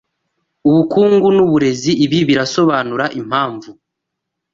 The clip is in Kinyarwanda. ubukungu n uburezi Ibi birasobanura impamvu